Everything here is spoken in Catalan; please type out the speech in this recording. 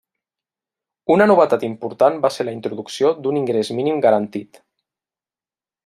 Una novetat important va ser la introducció d'un ingrés mínim garantit.